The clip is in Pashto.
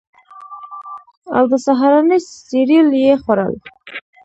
او د سهارنۍ سیریل یې خوړل